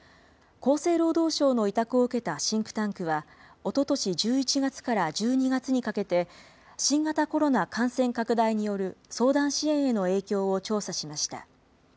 厚生労働省の委託を受けたシンクタンクは、おととし１１月から１２月にかけて、新型コロナ感染拡大による相談支援への影響を調査しました。